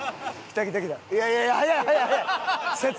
いやいやいや早い早い早い！